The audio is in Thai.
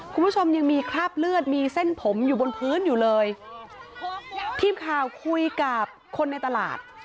คุณผู้ชมยังมีคราบเลือดมีเส้นผมอยู่บนพื้นอยู่เลยทีมข่าวคุยกับคนในตลาด